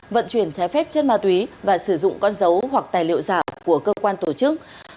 vận chuyển trái phép chất ma túy và sử dụng con dấu hoặc tài liệu giả của cơ quan tổ chức